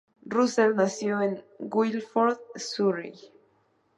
Russell nació en Guildford, Surrey.